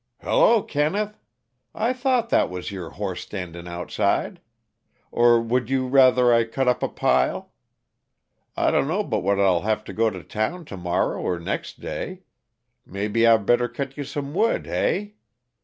"Hello, Kenneth I thought that was your horse standin' outside. Or would you rather I cut up a pile? I dunno but what I'll have to go t'town t' morrerr or next day mebby I better cut you some wood, hey?